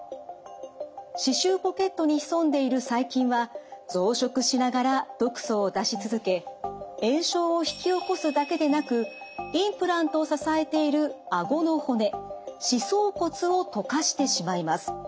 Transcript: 歯周ポケットに潜んでいる細菌は増殖しながら毒素を出し続け炎症を引き起こすだけでなくインプラントを支えているあごの骨歯槽骨を溶かしてしまいます。